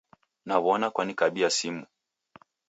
Naw'ona Kwanikabia simu?